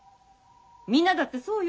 みんなだってそうよ。